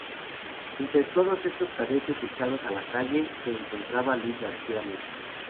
Entre todos esos cadetes echados a la calle, se encontraba Luis García Meza.